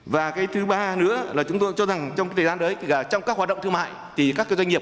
và cái thứ ba nữa là chúng tôi cho rằng trong thời gian đấy trong các hoạt động thương mại thì các doanh nghiệp